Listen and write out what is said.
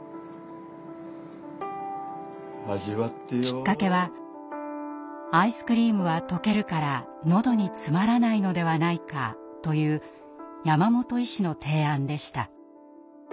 きっかけは「アイスクリームは溶けるからのどに詰まらないのではないか」という山本医師の提案でした。